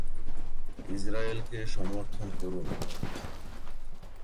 ইসরায়েলকে সমর্থন করুন।